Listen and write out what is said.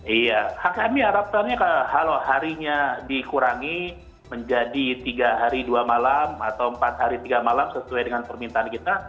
iya kami harapkannya kalau harinya dikurangi menjadi tiga hari dua malam atau empat hari tiga malam sesuai dengan permintaan kita